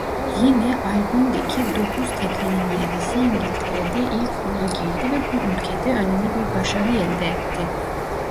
Yine albümdeki dokuz teklinin yedisi İngiltere'de ilk ona girdi ve bu ülkede önemli bir başarı elde etti.